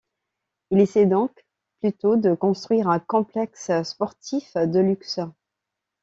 Il essaie donc plutôt de construire un complexe sportif de luxe.